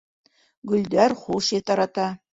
Гөлдәр хуш еҫ тарата.